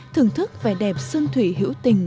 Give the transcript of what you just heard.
thưởng thức vẻ đẹp sương thủy hữu tình